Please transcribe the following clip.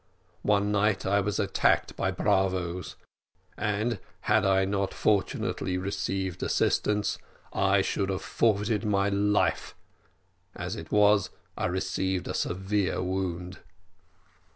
One night I was attacked by bravos; and had I not fortunately received assistance, I should have forfeited my life; as it was, I received a severe wound.